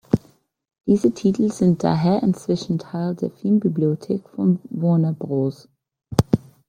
Diese Titel sind daher inzwischen Teil der Filmbibliothek von Warner Bros.